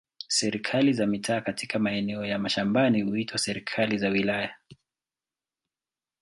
Serikali za mitaa katika maeneo ya mashambani huitwa serikali za wilaya.